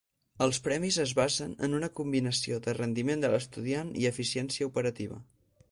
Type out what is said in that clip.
Els premis es basen en una combinació de rendiment de l'estudiant i eficiència operativa.